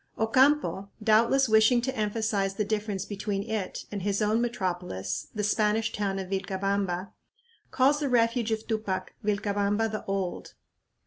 Ocampo, doubtless wishing to emphasize the difference between it and his own metropolis, the Spanish town of Vilcabamba, calls the refuge of Tupac "Vilcabamba the old."